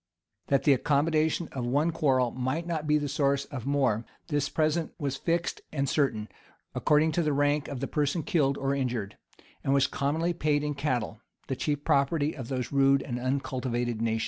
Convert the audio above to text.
That the accommodation of one quarrel might not be the source of more, this present was fixed and certain according to the rank of the person killed or injured, and was commonly paid in cattle, the chief property of those rude and uncultivated nations.